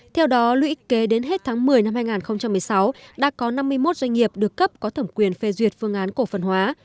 theo đó lũy kế đến hết tháng một mươi năm hai nghìn một mươi sáu đã có năm mươi một doanh nghiệp được cấp có thẩm quyền phê duyệt phương án cổ phần hóa